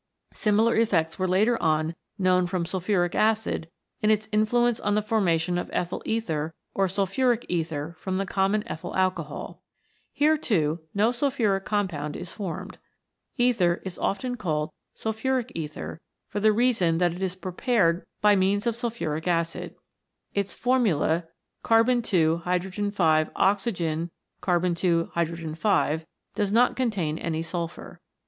Similar effects were later on known from sulphuric acid in its influence on the formation of ethyl ether or sulphuric ether from the common ethyl alcohol. Here, too, no sulphuric compound is formed. Ether is often called Sulphuric Ether for the reason that it is prepared by means of sulphuric 84 CATALYSIS AND THE ENZYMES C H acid. Its formula u $> O does not contain L 2 H 5 any sulphur.